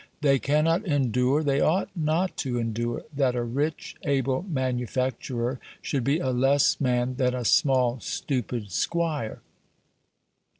They cannot endure they ought not to endure that a rich, able manufacturer should be a less man than a small stupid squire.